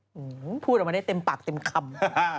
พูดออกมาได้เต็มปากเต็มคำ